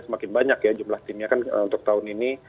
semakin banyak ya jumlah timnya kan untuk tahun ini